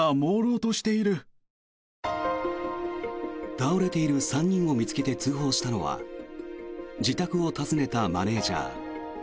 倒れている３人を見つけて通報したのは自宅を訪ねたマネジャー。